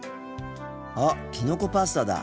あっきのこパスタだ。